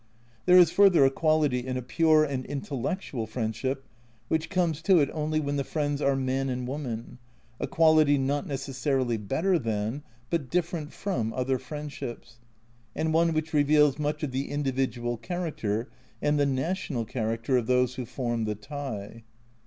There is further a quality in a pure and intellectual friendship which comes to it only when the friends are man and woman, a quality not necessarily better than, but different from other friendships, and one which reveals much of the individual character and the national character of those who form the tie.